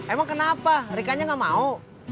emang kenapa rikanya nggak mau